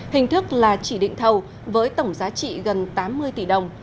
hình thức là chỉ định thầu với tổng giá trị gần tám mươi tỷ đồng